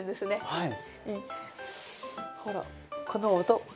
はい。